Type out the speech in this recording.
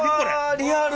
リアル！